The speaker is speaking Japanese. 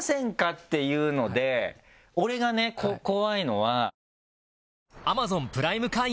っていうので俺がね怖いのは。